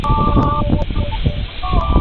কে এই মেয়ে?